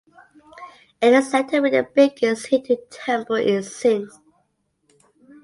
It is said to be the biggest Hindu temple in Sindh.